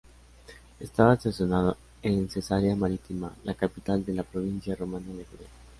Estaba estacionado en Cesarea Marítima, la capital de la provincia romana de Judea.